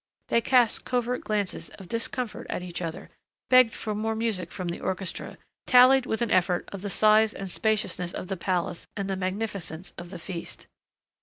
They cast covert glances of discomfort at each other, begged for more music from the orchestra, tallied with an effort of the size and spaciousness of the palace and the magnificence of the feast.